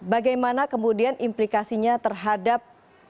bagaimana kemudian implikasinya terhadap